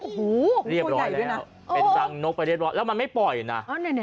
โอ้โหเรียบร้อยแล้วเป็นรังนกไปเรียบร้อยแล้วมันไม่ปล่อยนะ